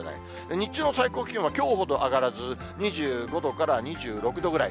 日中の最高気温はきょうほど上がらず、２５度から２６度ぐらい。